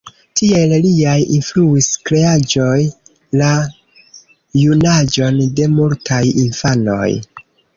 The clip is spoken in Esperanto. Tiel liaj influis kreaĵoj la junaĝon de multaj infanoj.